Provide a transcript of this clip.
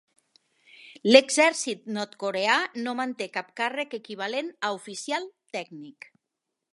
L'exèrcit nord-coreà no manté cap càrrec equivalent a oficial tècnic.